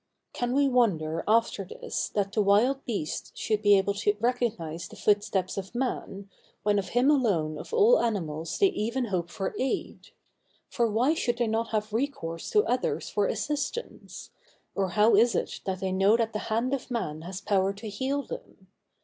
Can we wonder, after this, that the wild beasts should be able to recognize the footsteps of man, when of him alone of all animals they even hope for aid? For why should they not have recourse to others for assistance? Or how is it that they know that the hand of man has power to heal them?